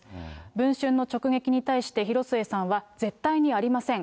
文春の直撃に対して広末さんは、絶対にありません。